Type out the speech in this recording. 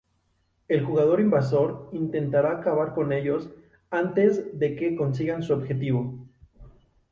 El jugador invasor intentará acabar con ellos antes de que consigan su objetivo.